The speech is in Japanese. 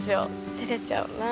照れちゃうな。